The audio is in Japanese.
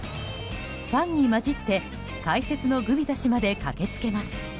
ファンに交じって解説のグビザ氏まで駆けつけます。